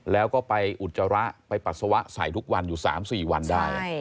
แล้วก็ไปอุจจาระไปปัสสาวะใส่ทุกวันอยู่๓๔วันได้